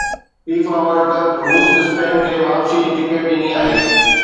FIFA world cup روس Spain کي واپسي جي ٽڪيٽ ڏني آهي